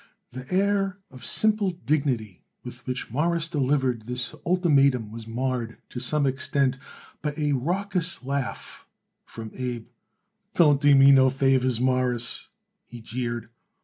The air of simple dignity with which Morris delivered his ultimatum was marred to some extent by a raucous laugh from Abe. "Don't do me no favors, Mawruss," he jeered.